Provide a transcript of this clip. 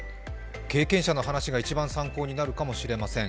経験者の話が一番参考になるかもしれません。